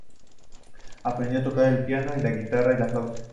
Aprendió a tocar el piano, la guitarra y la flauta.